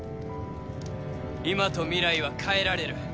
今と未来は変えられる。